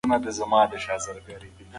ماشوم د سهار په رڼا کې خپلې سترګې وغړولې.